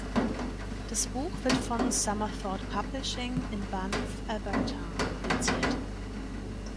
Das Buch wird von Summerthought Publishing in Banff (Alberta) publiziert.